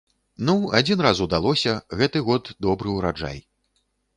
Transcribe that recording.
Ну, адзін раз удалося, гэты год добры ўраджай.